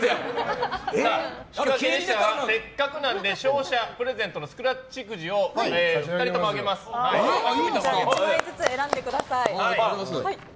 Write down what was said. せっかくなので勝者プレゼントのスクラッチくじを１枚ずつ選んでください。